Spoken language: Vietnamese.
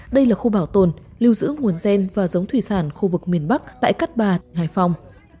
đây là khu bảo tồn lưu giữ nguồn gen và giống thủy sản khu vực miền bắc tại cát bà hải phòng